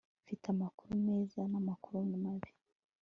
mfite amakuru meza namakuru mabi